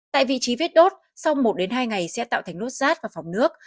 tại vị trí vết đốt sau một đến hai ngày sẽ tạo thành nốt sát và phóng nước